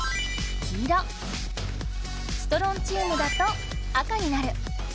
ストロンチウムだと赤になる。